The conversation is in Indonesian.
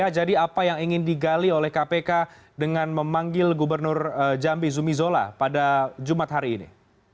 jadi apa yang ingin digali oleh kpk dengan memanggil gubernur jambi zumi zola pada jumat hari ini